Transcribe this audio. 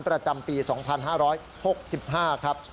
ประจำปี๒๕๖๕ครับ